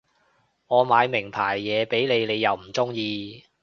我買名牌嘢畀你你又唔中意